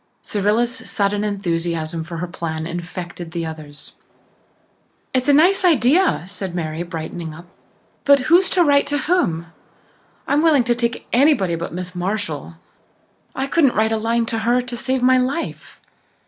Cyrilla's sudden enthusiasm for her plan infected the others. "It's a nice idea," said Mary, brightening up. "But who's to write to whom? I'm willing to take anybody but Miss Marshall. I couldn't write a line to her to save my life.